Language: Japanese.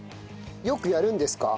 よくやるんですか？